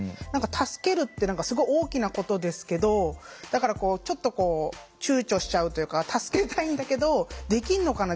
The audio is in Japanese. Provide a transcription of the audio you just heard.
助けるってすごい大きなことですけどだからちょっとこうちゅうちょしちゃうというか助けたいんだけどできんのかな？